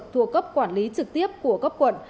thuộc cấp quản lý trực tiếp của cấp quận